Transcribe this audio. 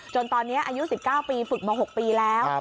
ตอนนี้อายุ๑๙ปีฝึกมา๖ปีแล้ว